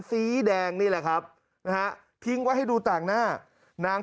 สีแดงนี่แหละครับนะฮะทิ้งไว้ให้ดูต่างหน้านาง